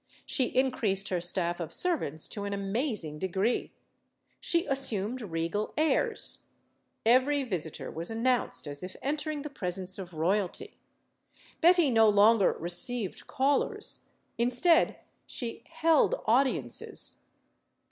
She increased her staff of servants to an amazing de gree. She assumed regal airs. Every visitor was announced as if entering the presence of royalty. Betty no longer "received callers." Instead, she "held audiences."